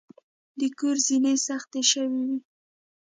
د کور زینې سختې شوې وې.